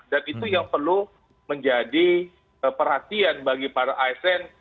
dan itu yang perlu menjadi perhatian bagi para asn